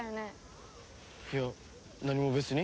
いや何も別に。